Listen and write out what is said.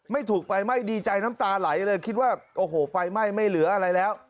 ถูกไฟไหม้ดีใจน้ำตาไหลเลยคิดว่าโอ้โหไฟไหม้ไม่เหลืออะไรแล้ว